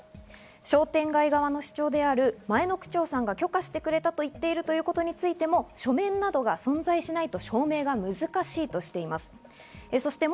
商店街側の主張である前の区長さんが許可してくれたと言っているということについても書面などが存在しないと証明が難しいとしています。